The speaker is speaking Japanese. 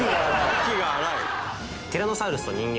息が荒い？